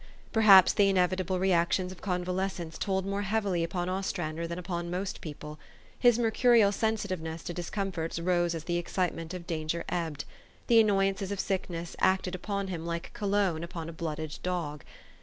Perhaps the inevitable re actions of convalescence told more heavily upon Ostrander than upon most people. His mercurial sensitiveness to discomforts rose as the excitement of danger ebbed. The anno}' ances of sickness acted upon him like cologne upon a blooded dog.